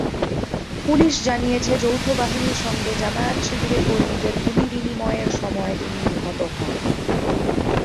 Police জানিয়েছে, যৌথ বাহিনীর সঙ্গে জামায়াত-শিবিরের কর্মীদের গুলিবিনিময়ের সময় তিনি নিহত হন।